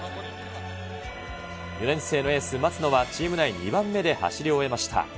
４年生のエース、松野はチーム内２番目で走り終えました。